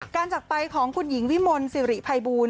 การจักไปของคุณหญิงวิมลสิริไพบูล